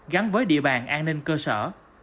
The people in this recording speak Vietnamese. gắn với địa bàn an ninh cơ sở